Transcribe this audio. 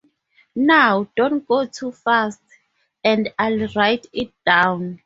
Now don’t go too fast — and I’ll write it down.